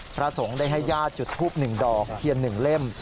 พระสงฆ์ได้ให้ญาติจุดภูมิหนึ่งดอกเทียนหนึ่งเล่ม